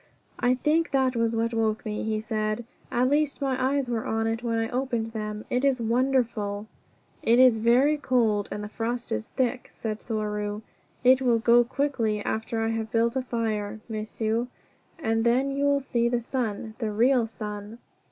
"I think that was what woke me," he said. "At least my eyes were on it when I opened them. It is wonderful!" "It is very cold, and the frost is thick," said Thoreau. "It will go quickly after I have built a fire, m'sieu. And then you will see the sun the real sun."